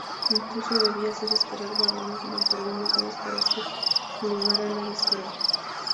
Incluso debía hacer esperar vagones durante algunos días para hacer lugar a la descarga.